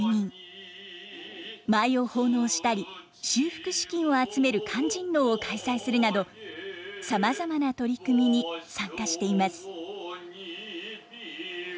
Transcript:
舞を奉納したり修復資金を集める勧進能を開催するなどさまざまな取り組みに参加しています。